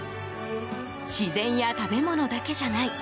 自然や食べ物だけじゃない。